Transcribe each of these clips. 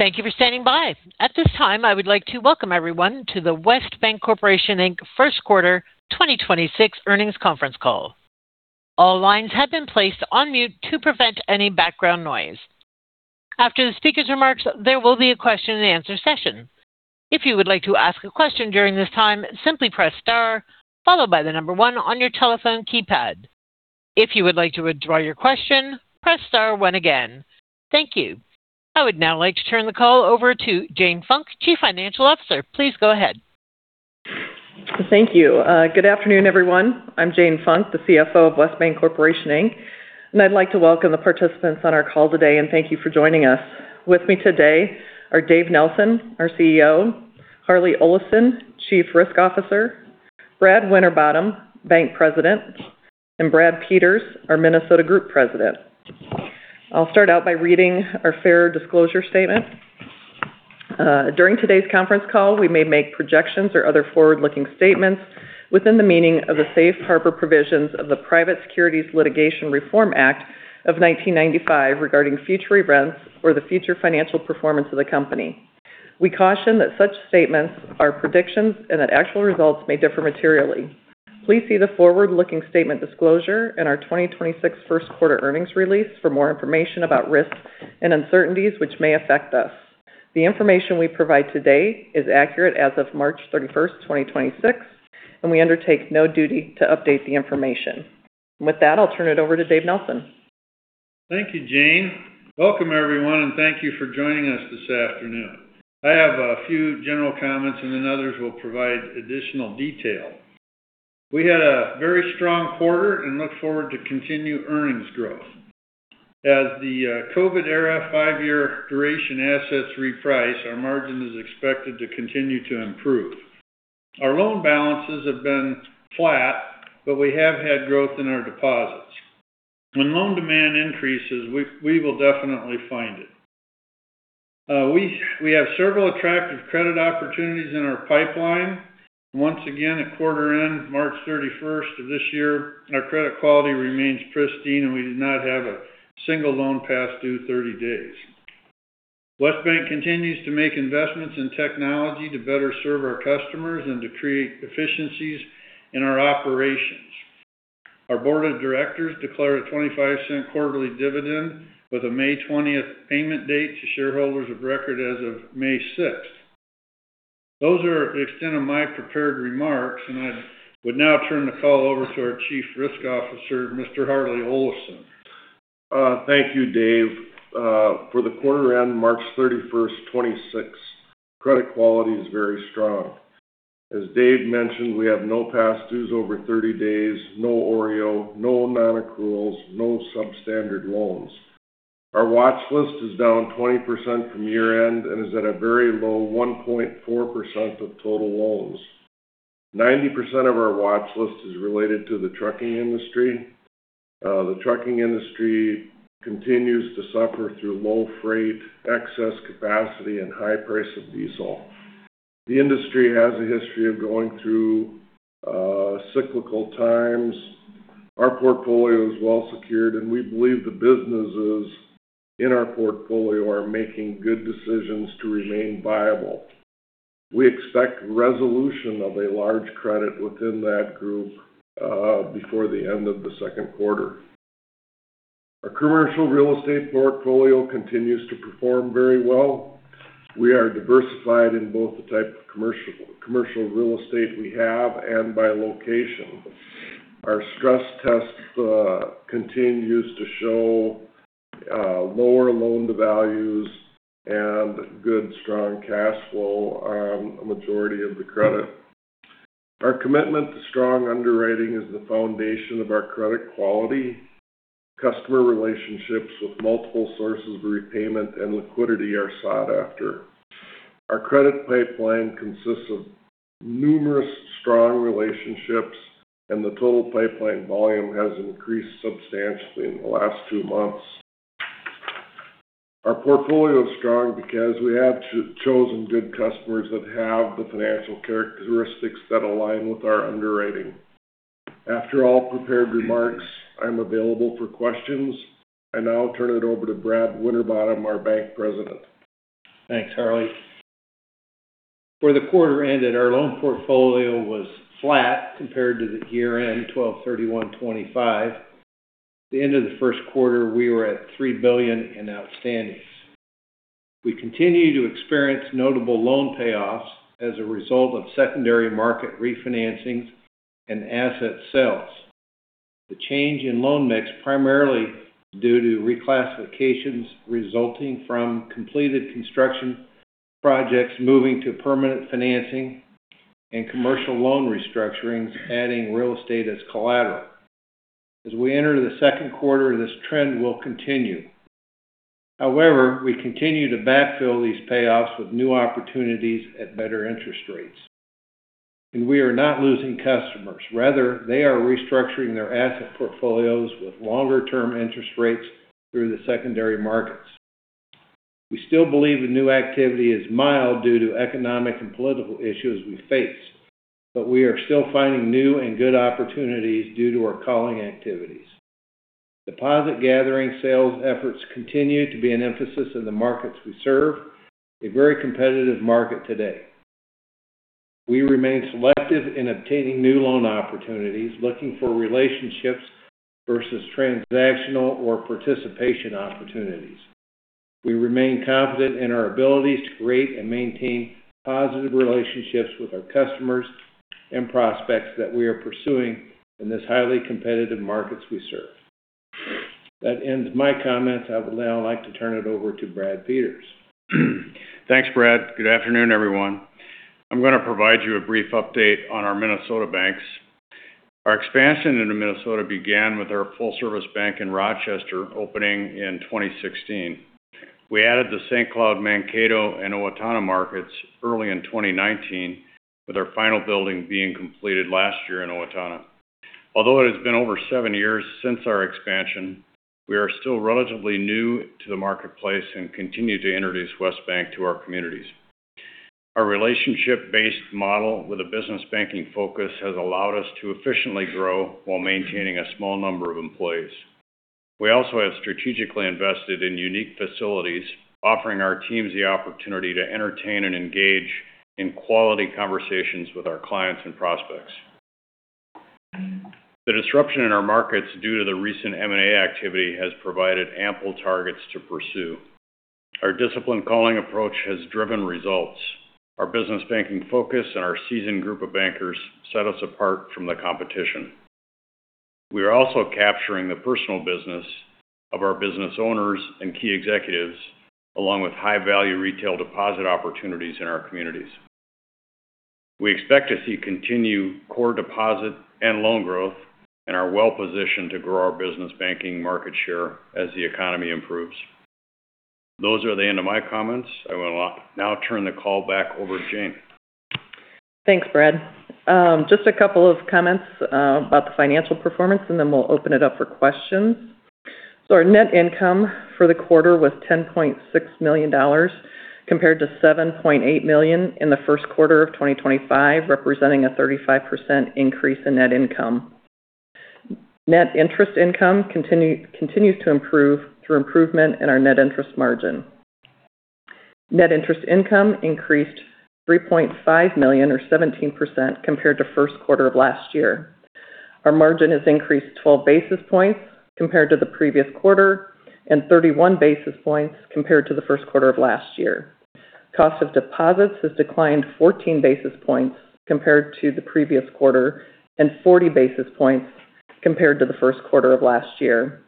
Thank you for standing by. At this time, I would like to welcome everyone to the West Bancorporation, Inc. First Quarter 2026 Earnings Conference Call. All lines have been placed on mute to prevent any background noise. After the speaker's remarks, there will be a question and answer session. If you would like to ask a question during this time, simply press star, followed by the number one on your telephone keypad. If you would like to withdraw your question, press star one again. Thank you. I would now like to turn the call over to Jane Funk, Chief Financial Officer. Please go ahead. Thank you. Good afternoon, everyone. I'm Jane Funk, the CFO of West Bancorporation, Inc. I'd like to welcome the participants on our call today and thank you for joining us. With me today are Dave Nelson, our CEO, Harlee Olafson, Chief Risk Officer, Brad Winterbottom, Bank President, and Brad Peters, our Minnesota Group President. I'll start out by reading our fair disclosure statement. During today's conference call, we may make projections or other forward-looking statements within the meaning of the safe harbor provisions of the Private Securities Litigation Reform Act of 1995 regarding future events or the future financial performance of the company. We caution that such statements are predictions and that actual results may differ materially. Please see the forward-looking statement disclosure in our 2026 first quarter earnings release for more information about risks and uncertainties which may affect us. The information we provide today is accurate as of March 31st, 2026, and we undertake no duty to update the information. With that, I'll turn it over to Dave Nelson. Thank you, Jane. Welcome everyone, and thank you for joining us this afternoon. I have a few general comments and then others will provide additional detail. We had a very strong quarter and look forward to continued earnings growth. As the COVID era five-year duration assets reprice, our margin is expected to continue to improve. Our loan balances have been flat, but we have had growth in our deposits. When loan demand increases, we will definitely find it. We have several attractive credit opportunities in our pipeline. Once again, at quarter end, March 31st of this year, our credit quality remains pristine, and we did not have a single loan past due 30 days. West Bank continues to make investments in technology to better serve our customers and to create efficiencies in our operations. Our board of directors declare a $0.25 quarterly dividend with a May 20th payment date to shareholders of record as of May 6th. Those are the extent of my prepared remarks, and I would now turn the call over to our Chief Risk Officer, Mr. Harlee Olafson. Thank you, Dave. For the quarter ended March 31st, 2026, credit quality is very strong. As Dave mentioned, we have no past dues over 30 days, no OREO, no non-accruals, no substandard loans. Our watch list is down 20% from year-end and is at a very low 1.4% of total loans. 90% of our watch list is related to the trucking industry. The trucking industry continues to suffer through low freight, excess capacity and high price of diesel. The industry has a history of going through cyclical times. Our portfolio is well secured, and we believe the businesses in our portfolio are making good decisions to remain viable. We expect resolution of a large credit within that group before the end of the second quarter. Our commercial real estate portfolio continues to perform very well. We are diversified in both the type of commercial real estate we have and by location. Our stress tests continues to show lower loan to values and good strong cash flow on a majority of the credit. Our commitment to strong underwriting is the foundation of our credit quality. Customer relationships with multiple sources of repayment and liquidity are sought after. Our credit pipeline consists of numerous strong relationships, and the total pipeline volume has increased substantially in the last two months. Our portfolio is strong because we have chosen good customers that have the financial characteristics that align with our underwriting. After all prepared remarks, I'm available for questions. I now turn it over to Brad Winterbottom, our Bank President. Thanks, Harlee. For the quarter ended, our loan portfolio was flat compared to the year-end 12/31/2025. At the end of the first quarter, we were at $3 billion in outstandings. We continue to experience notable loan payoffs as a result of secondary market refinancing and asset sales. The change in loan mix, primarily due to reclassifications resulting from completed construction projects moving to permanent financing and commercial loan restructurings adding real estate as collateral. As we enter the second quarter, this trend will continue. However, we continue to backfill these payoffs with new opportunities at better interest rates. We are not losing customers. Rather, they are restructuring their asset portfolios with longer-term interest rates through the secondary markets. We still believe the new activity is mild due to economic and political issues we face, but we are still finding new and good opportunities due to our calling activities. Deposit gathering sales efforts continue to be an emphasis in the markets we serve, a very competitive market today. We remain selective in obtaining new loan opportunities, looking for relationships versus transactional or participation opportunities. We remain confident in our ability to create and maintain positive relationships with our customers and prospects that we are pursuing in this highly competitive markets we serve. That ends my comments. I would now like to turn it over to Brad Peters. Thanks, Brad. Good afternoon, everyone. I'm going to provide you a brief update on our Minnesota banks. Our expansion into Minnesota began with our full-service bank in Rochester, opening in 2016. We added the St. Cloud, Mankato, and Owatonna markets early in 2019, with our final building being completed last year in Owatonna. Although it has been over seven years since our expansion, we are still relatively new to the marketplace and continue to introduce West Bank to our communities. Our relationship-based model with a business banking focus has allowed us to efficiently grow while maintaining a small number of employees. We also have strategically invested in unique facilities, offering our teams the opportunity to entertain and engage in quality conversations with our clients and prospects. The disruption in our markets due to the recent M&A activity has provided ample targets to pursue. Our disciplined culling approach has driven results. Our business banking focus and our seasoned group of bankers set us apart from the competition. We are also capturing the personal business of our business owners and key executives, along with high-value retail deposit opportunities in our communities. We expect to see continued core deposit and loan growth and are well-positioned to grow our business banking market share as the economy improves. Those are the end of my comments. I will now turn the call back over to Jane. Thanks, Brad. Just a couple of comments about the financial performance, and then we'll open it up for questions. Our net income for the quarter was $10.6 million, compared to $7.8 million in the first quarter of 2025, representing a 35% increase in net income. Net interest income continues to improve through improvement in our net interest margin. Net interest income increased $3.5 million or 17% compared to first quarter of last year. Our margin has increased 12 basis points compared to the previous quarter, and 31 basis points compared to the first quarter of last year. Cost of deposits has declined 14 basis points compared to the previous quarter and 40 basis points compared to the first quarter of last year.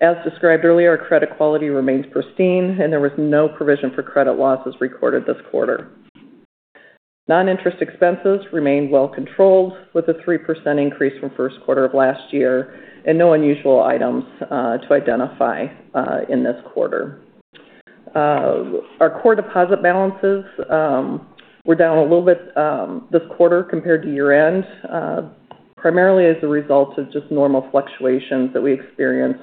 As described earlier, credit quality remains pristine and there was no provision for credit losses recorded this quarter. Non-interest expenses remained well controlled with a 3% increase from first quarter of last year and no unusual items to identify in this quarter. Our core deposit balances were down a little bit this quarter compared to year-end, primarily as a result of just normal fluctuations that we experience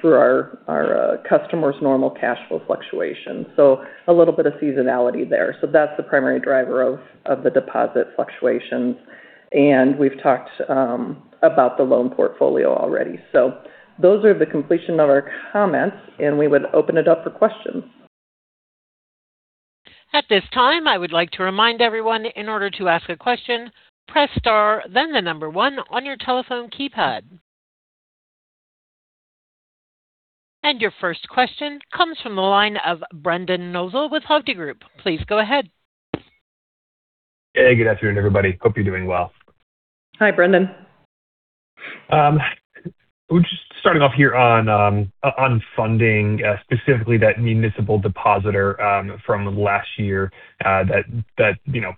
through our customers' normal cash flow fluctuations, a little bit of seasonality there. That's the primary driver of the deposit fluctuations. We've talked about the loan portfolio already. Those are the completion of our comments, and we would open it up for questions. At this time, I would like to remind everyone, in order to ask a question, press star, then the number one on your telephone keypad. Your first question comes from the line of Brendan Nosal with Hovde Group. Please go ahead. Hey, good afternoon, everybody. Hope you're doing well. Hi, Brendan. Just starting off here on funding, specifically that municipal depositor from last year that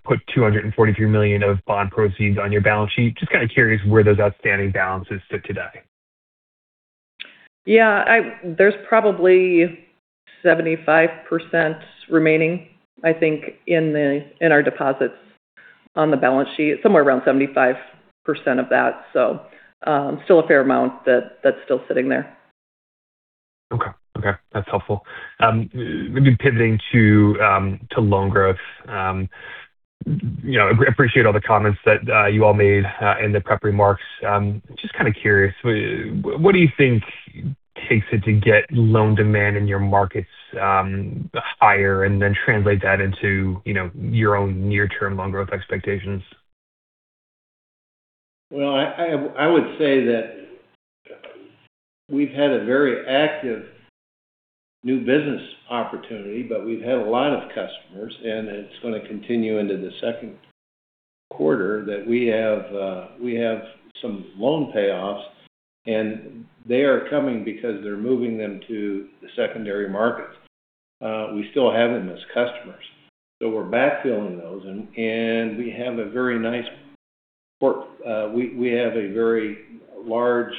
put $243 million of bond proceeds on your balance sheet. Just kind of curious where those outstanding balances sit today. Yeah. There's probably 75% remaining, I think, in our deposits on the balance sheet. Somewhere around 75% of that. Still a fair amount that's still sitting there. Okay. That's helpful. Maybe pivoting to loan growth. Appreciate all the comments that you all made in the prep remarks. Just kind of curious, what do you think takes it to get loan demand in your markets higher and then translate that into your own near-term loan growth expectations? Well, I would say that we've had a very active new business opportunity, but we've had a lot of customers, and it's going to continue into the second quarter that we have some loan payoffs, and they are coming because they're moving them to the secondary markets. We still have them as customers. We're backfilling those, and we have a very large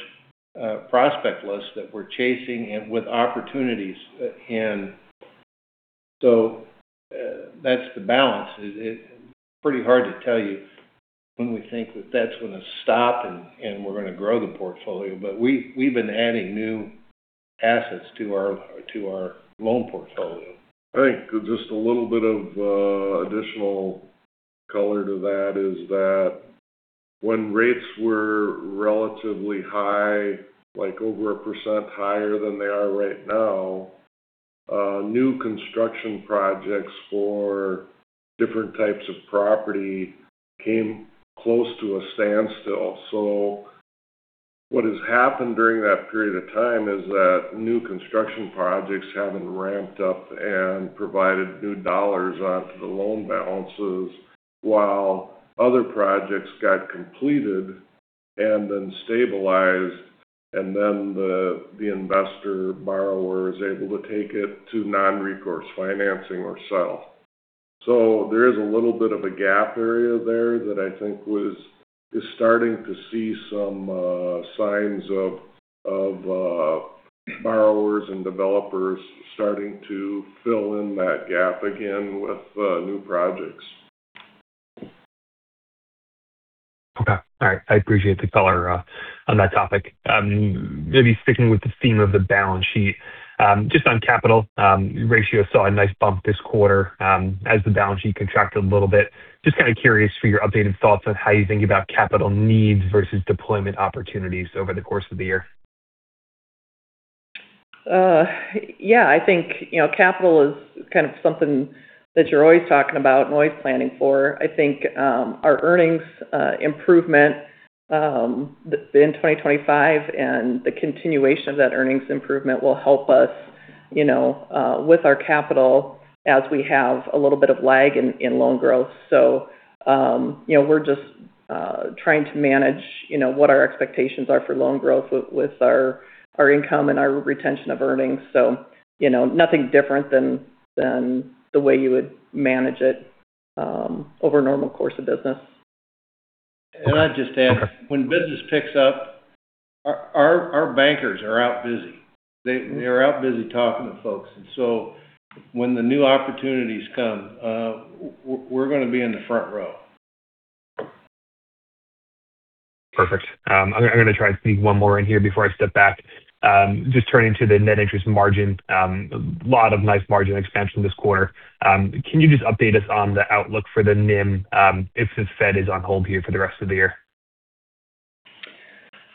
prospect list that we're chasing and with opportunities. That's the balance. It's pretty hard to tell you when we think that that's going to stop and we're going to grow the portfolio. We've been adding new assets to our loan portfolio. I think just a little bit of additional. Color to that is that when rates were relatively high, like over 1% higher than they are right now, new construction projects for different types of property came close to a standstill. What has happened during that period of time is that new construction projects haven't ramped up and provided new dollars onto the loan balances, while other projects got completed and then stabilized, and then the investor borrower is able to take it to non-recourse financing or sell. There is a little bit of a gap area there that I think is starting to see some signs of borrowers and developers starting to fill in that gap again with new projects. Okay. All right. I appreciate the color on that topic. Maybe sticking with the theme of the balance sheet. Just on capital ratio, saw a nice bump this quarter as the balance sheet contracted a little bit. Just kind of curious for your updated thoughts on how you think about capital needs versus deployment opportunities over the course of the year. Yeah. I think capital is something that you're always talking about and always planning for. I think our earnings improvement in 2025 and the continuation of that earnings improvement will help us with our capital as we have a little bit of lag in loan growth. We're just trying to manage what our expectations are for loan growth with our income and our retention of earnings. Nothing different than the way you would manage it over a normal course of business. I'd just add, when business picks up, our bankers are out busy. They are out busy talking to folks. When the new opportunities come, we're going to be in the front row. Perfect. I'm going to try and sneak one more in here before I step back. Just turning to the net interest margin. A lot of nice margin expansion this quarter. Can you just update us on the outlook for the NIM if the Fed is on hold here for the rest of the year?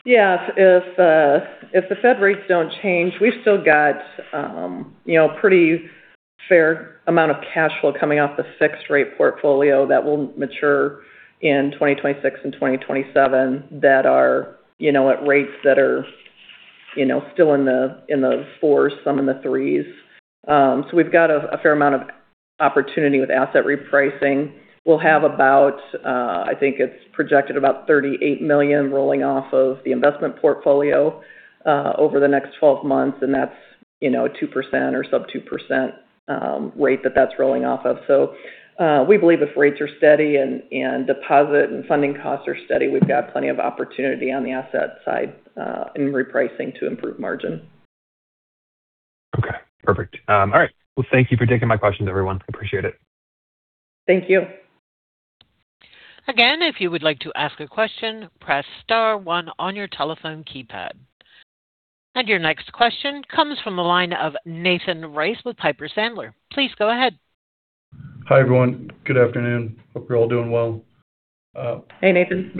Yeah. If the Fed rates don't change, we've still got pretty fair amount of cash flow coming off the fixed rate portfolio that will mature in 2026 and 2027 that are at rates that are still in the fours, some in the threes. We've got a fair amount of opportunity with asset repricing. We'll have about, I think it's projected about $38 million rolling off of the investment portfolio over the next 12 months, and that's a 2% or sub 2% rate that that's rolling off of. We believe if rates are steady and deposit and funding costs are steady, we've got plenty of opportunity on the asset side in repricing to improve margin. Okay, perfect. All right. Well, thank you for taking my questions, everyone. I appreciate it. Thank you. Again, if you would like to ask a question, press star one on your telephone keypad. Your next question comes from the line of Nathan Race with Piper Sandler. Please go ahead. Hi, everyone. Good afternoon. Hope you're all doing well. Hey, Nathan.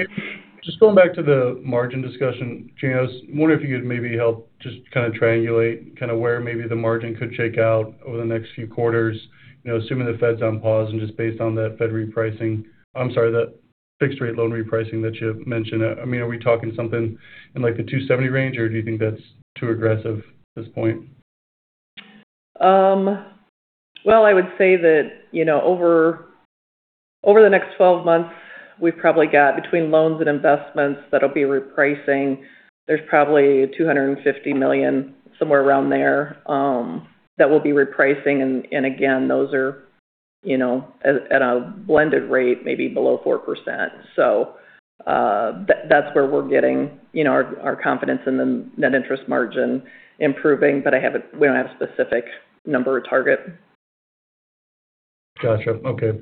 Just going back to the margin discussion, Jane, I was wondering if you could maybe help just kind of triangulate where maybe the margin could shake out over the next few quarters, assuming the Fed's on pause and just based on that Fed repricing. I'm sorry, that fixed rate loan repricing that you had mentioned. Are we talking something in like the 2.70% range, or do you think that's too aggressive at this point? Well, I would say that over the next 12 months, we've probably got between loans and investments that'll be repricing. There's probably $250 million, somewhere around there, that will be repricing, and again, those are at a blended rate, maybe below 4%. That's where we're getting our confidence in the net interest margin improving. We don't have a specific number or target. Got you. Okay.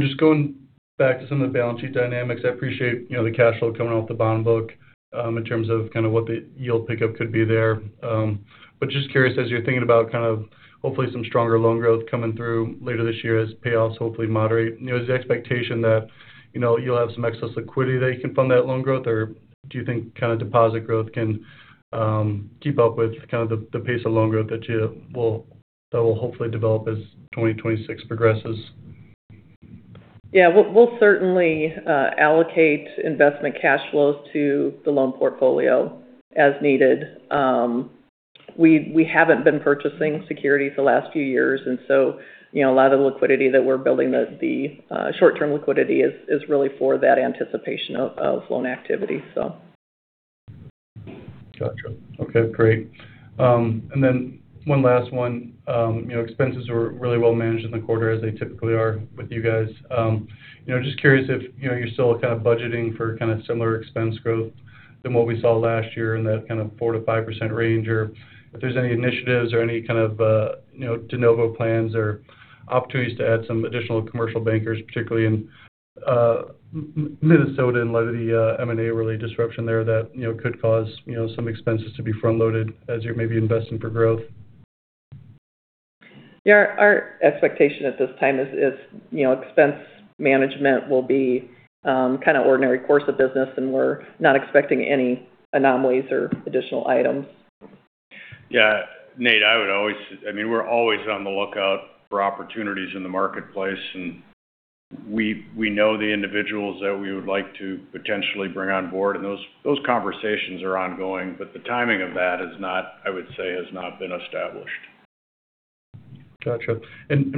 Just going back to some of the balance sheet dynamics. I appreciate the cash flow coming off the bottom book in terms of what the yield pickup could be there. Just curious, as you're thinking about hopefully some stronger loan growth coming through later this year as payoffs hopefully moderate, is the expectation that you'll have some excess liquidity that you can fund that loan growth? Or do you think deposit growth can keep up with the pace of loan growth that will hopefully develop as 2026 progresses? Yeah. We'll certainly allocate investment cash flows to the loan portfolio as needed. We haven't been purchasing securities the last few years, and so a lot of the liquidity that we're building, the short-term liquidity is really for that anticipation of loan activity, so. Got you. Okay, great. One last one. Expenses were really well managed in the quarter as they typically are with you guys. Just curious if you're still budgeting for similar expense growth than what we saw last year in that 4%-5% range, or if there's any initiatives or any kind of de novo plans or opportunities to add some additional commercial bankers, particularly in Minnesota in light of the M&A really disruption there that could cause some expenses to be front-loaded as you're maybe investing for growth. Yeah. Our expectation at this time is expense management will be ordinary course of business, and we're not expecting any anomalies or additional items. Yeah. Nate, we're always on the lookout for opportunities in the marketplace. We know the individuals that we would like to potentially bring on board, and those conversations are ongoing, but the timing of that has not, I would say, been established. Got you.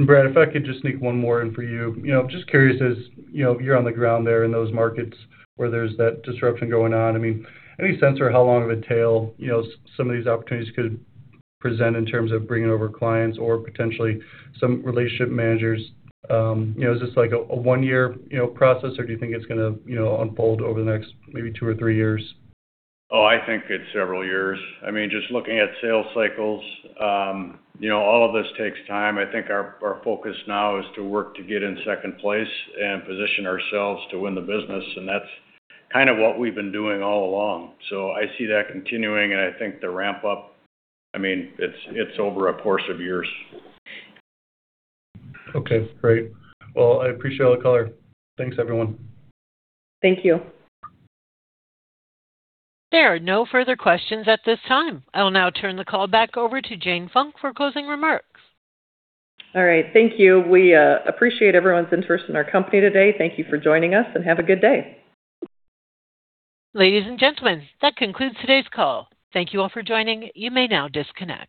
Brad, if I could just sneak one more in for you. Just curious as you're on the ground there in those markets where there's that disruption going on. Any sense or how long of a tail some of these opportunities could present in terms of bringing over clients or potentially some relationship managers? Is this like a one-year process, or do you think it's going to unfold over the next maybe two or three years? Oh, I think it's several years. Just looking at sales cycles, all of this takes time. I think our focus now is to work to get in second place and position ourselves to win the business, and that's kind of what we've been doing all along. I see that continuing, and I think the ramp up, it's over a course of years. Okay, great. Well, I appreciate all the color. Thanks, everyone. Thank you. There are no further questions at this time. I'll now turn the call back over to Jane Funk for closing remarks. All right. Thank you. We appreciate everyone's interest in our company today. Thank you for joining us, and have a good day. Ladies and gentlemen, that concludes today's call. Thank you all for joining. You may now disconnect.